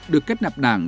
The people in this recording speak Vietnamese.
được kết nạp đảng